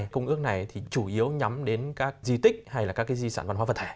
công ước này thì chủ yếu nhắm đến các di tích hay là các cái di sản văn hóa vật thể